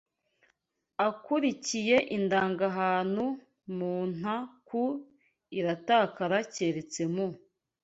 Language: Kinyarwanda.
akurikiye indangahantu muna ku iratakara keretse mu